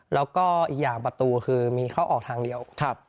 แล้วก็อีกอย่างประตูคือมีเข้าออกทางเดียว